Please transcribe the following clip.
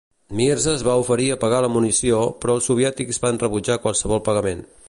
Mirza es va oferir a pagar la munició, però els soviètics van rebutjar qualsevol pagament.